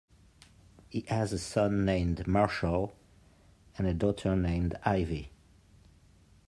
He has a son named Marshall, and a daughter named Ivy.